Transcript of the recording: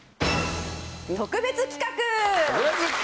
特別企画！